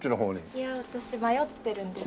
いや私迷ってるんです。